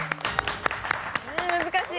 難しい。